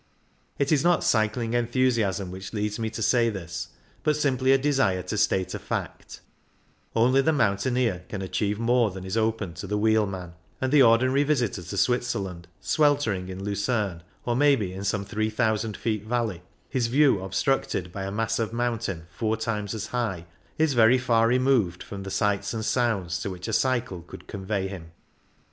It is not cycling enthusiasm which leads me to say this, but simply a desire to state a fact ; only the mountaineer can achieve more than is open to the wheel man, and the ordinary visitor to Switzer land, sweltering in Lucerne, or maybe in some three thousand feet valley, his view obstructed by a mass of mountain four times as high, is very far removed from sights and sounds to which a cycle could convey him.